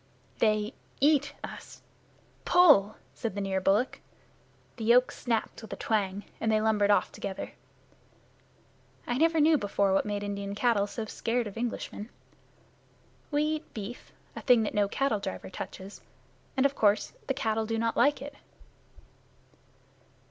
"They eat us! Pull!" said the near bullock. The yoke snapped with a twang, and they lumbered off together. I never knew before what made Indian cattle so scared of Englishmen. We eat beef a thing that no cattle driver touches and of course the cattle do not like it.